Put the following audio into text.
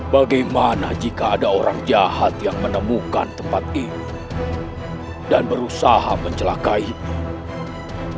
bagaimana jika ada orang jahat yang menemukan tempat ini dan berusaha mencelakai ini